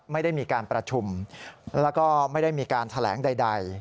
ไม่ได้มีการประชุมแล้วก็ไม่ได้มีการแถลงใด